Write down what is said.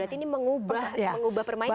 berarti ini mengubah permainan